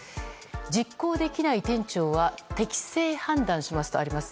実行できない店長は適性判断しますとあります。